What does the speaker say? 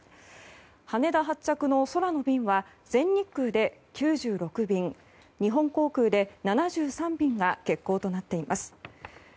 羽田発着の空の便は全日空で９６便日本航空で７３便が欠航となっています。